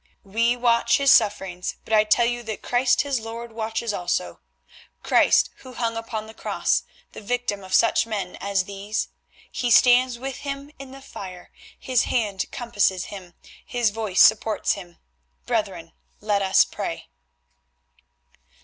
We watch his sufferings, but I tell you that Christ his Lord watches also; Christ who hung upon the Cross, the victim of such men as these. He stands with him in the fire, His hand compasses him, His voice supports him. Brethren, let us pray."